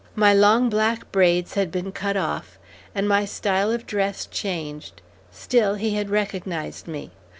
My long black braids had been cut off, and my style of dress changed, still he had recognized me.